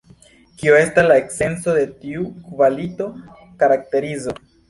Kio estas la esenco de tiu kvalito-karakterizo?